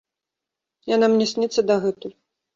Яна мне сніцца дагэтуль.